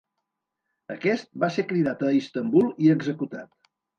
Aquest va ser cridat a Istanbul i executat.